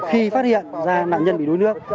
khi phát hiện ra nạn nhân bị đuối nước